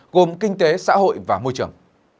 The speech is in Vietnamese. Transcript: gồm kinh tế xã hội và môi trường